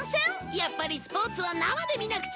やっぱりスポーツは生で見なくちゃ